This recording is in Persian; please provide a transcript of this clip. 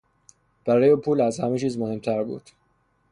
برای او پول از همهچیز مهمتر بود.